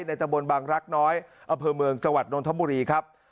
ตะบนบางรักน้อยอำเภอเมืองจังหวัดนทบุรีครับ